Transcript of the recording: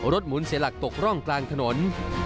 หมุนเสียหลักตกร่องกลางถนน